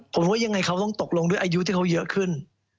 ผมว่ายังไงเขาต้องตกลงด้วยอายุที่เขาเยอะขึ้น